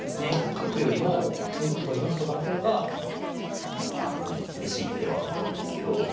角よりも金とか銀とかの方が厳しい手ではあったんですけど。